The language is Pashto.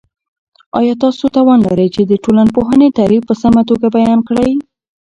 آیا تاسو توان لرئ چې د ټولنپوهنې تعریف په سمه توګه بیان کړئ؟